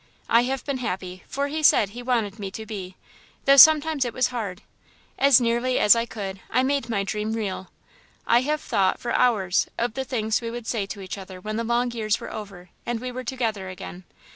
"I have been happy, for he said he wanted me to be, though sometimes it was hard. As nearly as I could, I made my dream real. I have thought, for hours, of the things we would say to each other when the long years were over and we were together again.